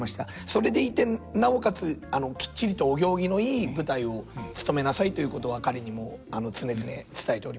それでいてなおかつきっちりとお行儀のいい舞台をつとめなさいということは彼にも常々伝えております。